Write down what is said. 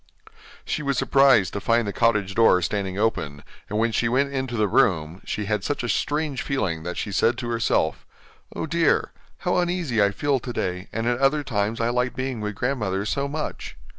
She was surprised to find the cottage door standing open, and when she went into the room, she had such a strange feeling that she said to herself: 'Oh dear! how uneasy I feel today, and at other times I like being with grandmother so much.